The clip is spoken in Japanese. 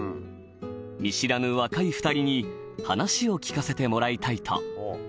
「見知らぬ若い二人に話を聞かせてもらいたいと」